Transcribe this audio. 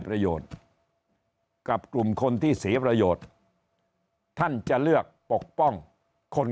ประโยชน์กับกลุ่มคนที่เสียประโยชน์ท่านจะเลือกปกป้องคน